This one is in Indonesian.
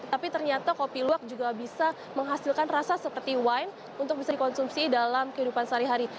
tapi ternyata kopi luwak juga bisa menghasilkan rasa seperti wine untuk bisa dikonsumsi dalam kehidupan sehari hari